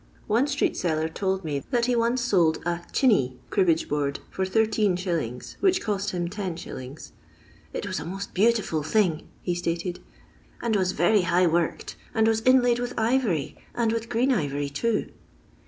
One street seller told me that he once sold a " Chinee" cribbage board for ISs., which cost him 10^. " It was a most beautiful thing," he stated, " and was very high worked, and was inlaid vnth ivory, and with green ivory too."